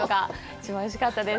一番おいしかったです。